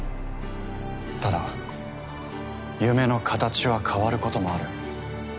ただ夢の形は変わることもある。